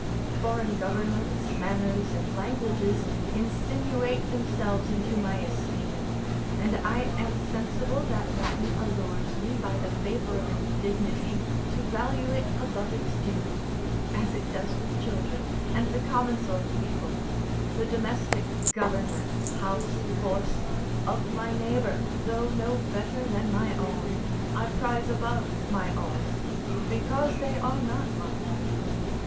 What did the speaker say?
Foreign governments, manners, and languages insinuate themselves into my esteem; and I am sensible that Latin allures me by the favour of its dignity to value it above its due, as it does with children, and the common sort of people: the domestic government, house, horse, of my neighbour, though no better than my own, I prize above my own, because they are not mine.